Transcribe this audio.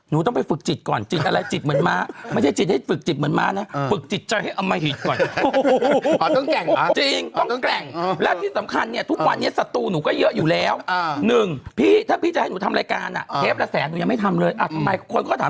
นั่นมันเรื่องในอดีตแต่ปัจจุบันก็เลวไม่ได้แพ้กัน